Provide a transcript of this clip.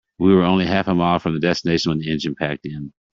We were only half a mile from the destination when the engine packed in.